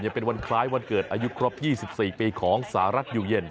ยังเป็นวันคล้ายวันเกิดอายุครบ๒๔ปีของสหรัฐอยู่เย็น